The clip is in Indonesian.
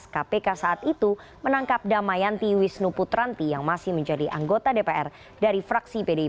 kpk saat itu menangkap damayanti wisnu putranti yang masih menjadi anggota dpr dari fraksi pdip